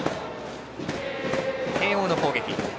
慶応の攻撃。